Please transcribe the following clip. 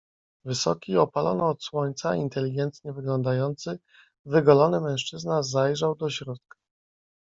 "Wysoki, opalony od słońca, inteligentnie wyglądający, wygolony mężczyzna zajrzał do środka."